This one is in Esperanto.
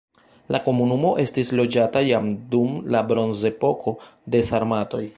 La komunumo estis loĝata jam dum la bronzepoko, de sarmatoj.